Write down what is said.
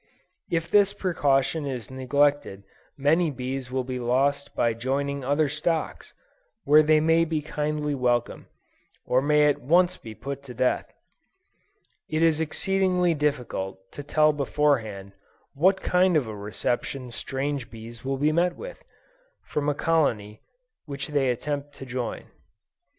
If this precaution is neglected many bees will be lost by joining other stocks, where they may be kindly welcomed, or may at once be put to death. It is exceedingly difficult, to tell before hand, what kind of a reception strange bees will meet with, from a colony which they attempt to join.